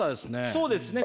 そうですね。